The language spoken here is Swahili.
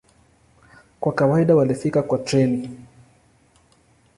Kwa kawaida walifika kwa treni.